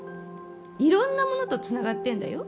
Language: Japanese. いろんなものとつながってんだよ。